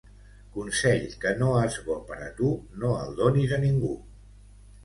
Consell que no és bo per a tu, no el donis a ningú.